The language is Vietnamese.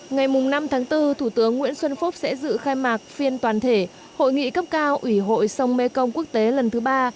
ngày năm tháng bốn thủ tướng nguyễn xuân phúc sẽ dự khai mạc phiên toàn thể hội nghị cấp cao ủy hội sông mê công quốc tế lần thứ ba